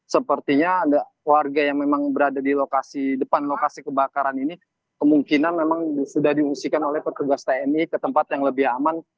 sepertinya ada warga yang memang berada di depan lokasi kebakaran ini kemungkinan memang sudah diungsikan oleh petugas tni ke tempat yang lebih aman